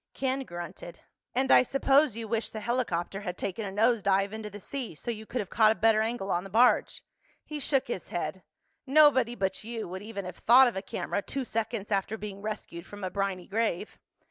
Ken grunted. "And I suppose you wish the helicopter had taken a nose dive into the sea, so you could have caught a better angle on the barge." He shook his head. "Nobody but you would even have thought of a camera two seconds after being rescued from a briny grave."